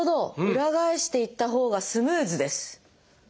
裏返していったほうがスムーズです。